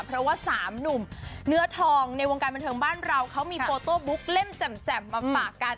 เพราะว่า๓หนุ่มเนื้อทองในวงการบันเทิงบ้านเราเขามีโฟโต้บุ๊กเล่มแจ่มมาฝากกัน